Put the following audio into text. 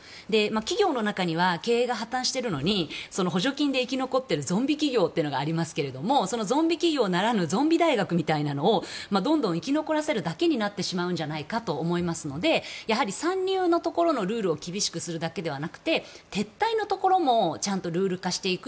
企業の中には経営が破綻しているのに補助金で生き残っているゾンビ企業というのがありますけどゾンビ企業ならぬゾンビ大学みたいなのをどんどん生き残らせるだけになってしまうんじゃないかと思いますのでやはり参入のところのルールを厳しくするだけじゃなくて撤退のところもちゃんとルール化していく。